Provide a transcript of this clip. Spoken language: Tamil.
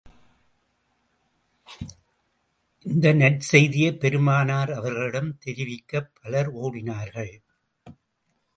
இந்த நற்செய்தியைப் பெருமானார் அவர்களிடம் தெரிவிக்கப் பலர் ஓடினார்கள்.